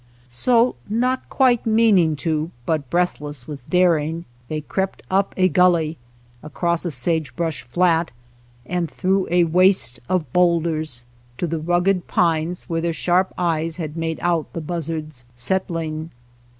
So, not quite meaning to, but breathless with daring, they crept up a gully, across a sage brush flat and through a waste of boulders, to the rugged pines where their sharp eyes had made out the buzzards settling.